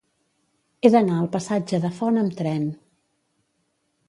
He d'anar al passatge de Font amb tren.